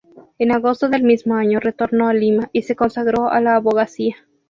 En agosto del mismo año retornó a Lima, y se consagró a la abogacía.